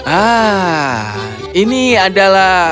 ah ini adalah